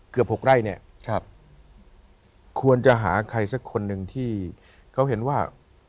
เกือบ๖ไร่เนี่ยครับควรจะหาใครสักคนหนึ่งที่เขาเห็นว่า